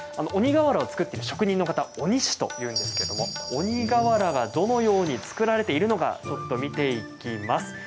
鬼がわらを作っている職人の方鬼師というんですけれども鬼がわらが、どのように作られているのかちょっと見ていきます。